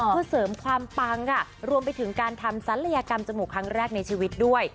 เพื่อเสริมความปังค่ะรวมไปถึงการทำศัลยกรรมจมูกครั้งแรกในชีวิตด้วย